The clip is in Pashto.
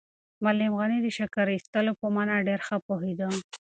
معلم غني د شکر ایستلو په مانا ډېر ښه پوهېده.